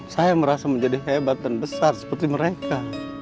saya merasa menjadi hebat dan besar seperti mereka